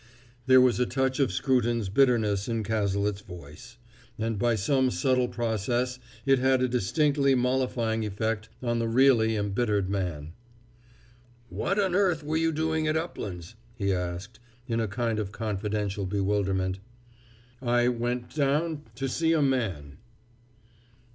There was a touch of Scruton's bitterness in Cazalet's voice; and by some subtle process it had a distinctly mollifying effect on the really embittered man. "What on earth were you doing at Uplands?" he asked, in a kind of confidential bewilderment. "I went down to see a man."